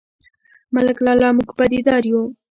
_ملک لالا، موږ بدي دار يو؟